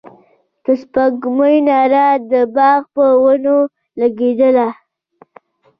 د سپوږمۍ رڼا د باغ په ونو لګېدله.